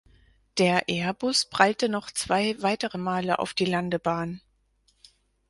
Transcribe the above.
Der Airbus prallte noch zwei weitere Male auf die Landebahn.